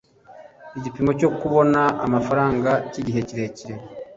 igipimo cyo kubona amafaranga cy’igihe kirekire